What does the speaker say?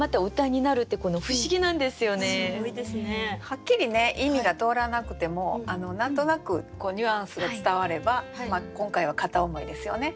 はっきりね意味が通らなくても何となくこうニュアンスが伝われば今回は「片思い」ですよね。